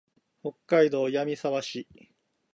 北海道岩見沢市